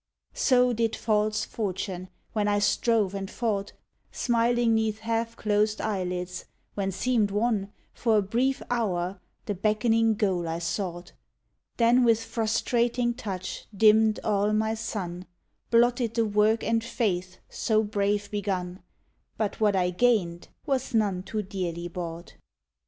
So did false Fortune, when I strove and fought, Smiling 'neath half closed eyelids, when seemed won, For a brief hour, the beckoning goal I sought Then with frustrating touch dimmed all my sun Blotted the work and faith so brave begun; But what I gained was none too dearly bought.